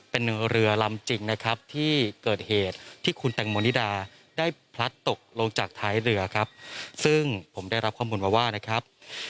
เป็นเรือลำจริงนะครับที่เกิดเหตุที่คุณแตงโมนิดาได้พลัดตกลงจากท้ายเรือครับซึ่งผมได้รับข้อมูลมาว่านะครับ